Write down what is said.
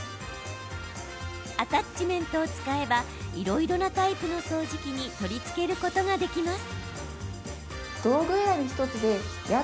アタッチメントを使えばいろいろなタイプの掃除機に取り付けることができます。